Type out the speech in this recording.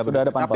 sudah ada panpel